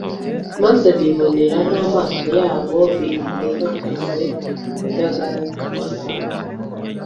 maze bibonera n'amaso yabo ibikorwa byawe by'agatangaza